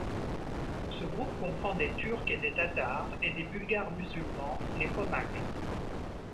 Ce groupe comprend des Turcs et des Tatars et des Bulgares musulmans, les Pomaques.